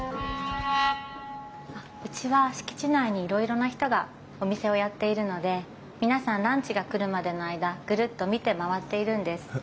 うちは敷地内にいろいろな人がお店をやっているので皆さんランチが来るまでの間ぐるっと見て回っているんです。